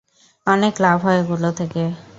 অনেক লাভ হয় ওগুলো থেকে।